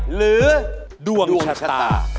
หรือดวงชะตา